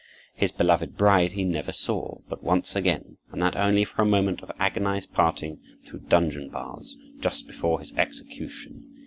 His beloved bride he never saw but once again, and that only for a moment of agonized parting through dungeon bars, just before his execution.